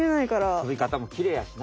とびかたもきれいやしな。